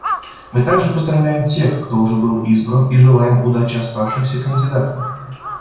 Мы также поздравляем тех, кто уже был избран, и желаем удачи оставшимся кандидатам.